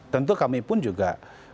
tentu kami pun juga